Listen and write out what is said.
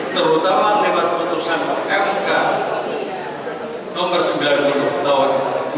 terutama lewat keputusan mk no sembilan puluh tahun seribu sembilan ratus dua puluh tiga